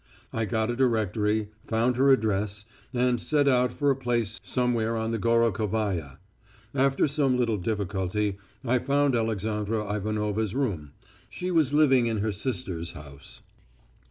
I got a directory, found her address, and set out for a place somewhere on the Gorokhavaya. After some little difficulty I found Alexandra Ivanovna's room; she was living in her sister's house.